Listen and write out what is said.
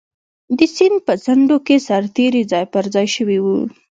د سیند په څنډو کې سرتېري ځای پر ځای شوي وو.